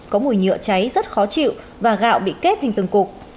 có mùi nhựa cháy rất khó chịu và gạo bị kết thành từng cục